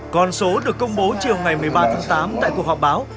con số được công bố chiều ngày một mươi ba tháng tám tại cuộc họp báo